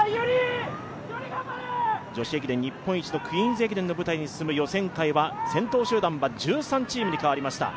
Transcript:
女子駅伝日本一のクイーンズ駅伝の舞台に進む予選会は先頭集団は１３チームに変わりました。